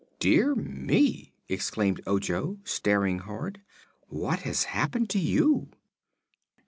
"Dear me!" exclaimed Ojo, staring hard. "What has happened to you?"